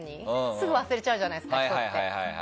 すぐ忘れちゃうじゃないですか人って。